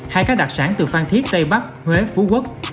hay các đặc sản từ phan thiết tây bắc huế phú quốc